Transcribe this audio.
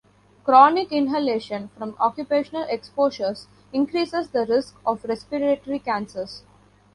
Chronic inhalation from occupational exposures increases the risk of respiratory cancers.